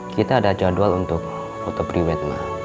kita ada jadwal untuk foto priwat ma